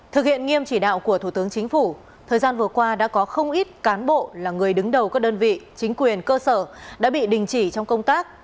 thực hiện nghiêm chỉ đạo của thủ tướng chính phủ thời gian vừa qua đã có không ít cán bộ là người đứng đầu các đơn vị chính quyền cơ sở đã bị đình chỉ trong công tác